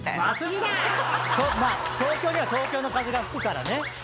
まあ東京には東京の風が吹くからね。